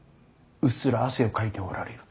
うっすら汗をかいておられる。